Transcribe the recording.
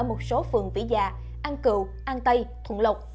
ở một số phường tỉ dạ an cựu an tây thuận lộc